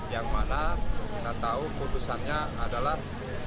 yang mana kita tahu putusannya adalah